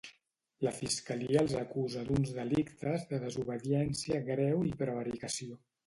La fiscalia els acusa d’uns delictes de desobediència greu i prevaricació.